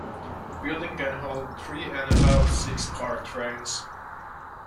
The building can hold three-and-a-half six-car trains.